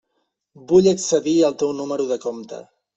Vull accedir al teu número de compte.